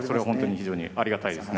非常にありがたいですね。